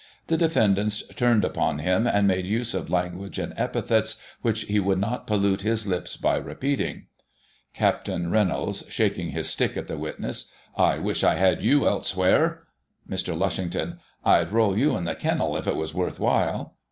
The defendants turned upon him, and made use of language and epithets which he would not pollute his lips by repeating. Capt Reynolds (shaking his stick at the witness) : I wish I had you elsewhere. Mr. Lushington : Td roll you in the kennel, if it was worth while.